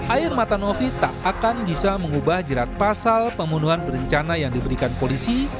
air mata novi tak akan bisa mengubah jerat pasal pembunuhan berencana yang diberikan polisi